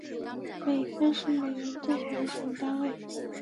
美分是美元最小的使用单位。